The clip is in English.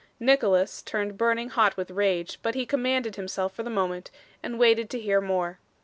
Nicholas turned burning hot with rage, but he commanded himself for the moment, and waited to hear more.